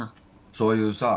そういうさ